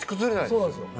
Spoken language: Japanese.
そうなんですよ。